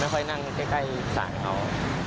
ไม่ค่อยนั่งใกล้สารเขา